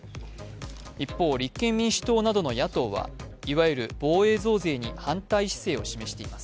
一方、立憲民主党などの野党はいわゆる防衛増税に反対姿勢を示しています。